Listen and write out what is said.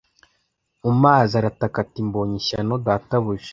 mu mazi arataka ati Mbonye ishyano databuja